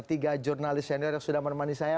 tiga jurnalis senior yang sudah menemani saya